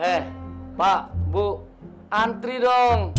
eh pak bu antri dong